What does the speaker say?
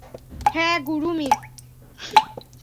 হ্যাঁ, গুরুমিত।